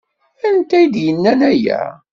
Anta i d-yennan aya?